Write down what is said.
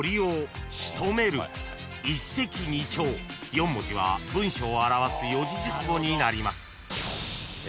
［４文字は文章を表す四字熟語になります］